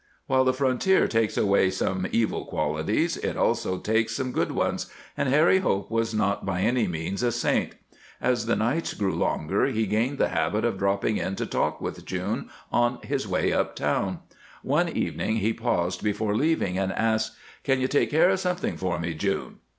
While the frontier takes away some evil qualities it also takes some good ones, and Harry Hope was not by any means a saint. As the nights grew longer he gained the habit of dropping in to talk with June on his way up town. One evening he paused before leaving and asked: "Can you take care of something for me, June?"